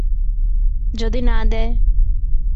যদি না দেয়?